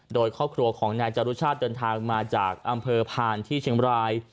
โดยครอบครัวของนายจรุชาติเดินทางมาจากอำเภอผ่านที่เชียงบราย